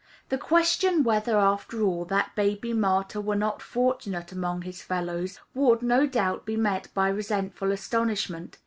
The question whether, after all, that baby martyr were not fortunate among his fellows, would, no doubt, be met by resentful astonishment.